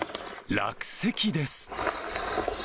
落石です。